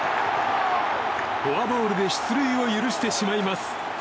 フォアボールで出塁を許してしまいます。